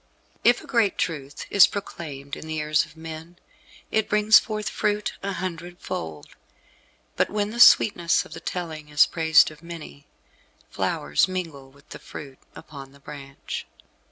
If a great truth is proclaimed in the ears of men, it brings forth fruit a hundred fold; but when the sweetness of the telling is praised of many, flowers mingle with the fruit upon the branch.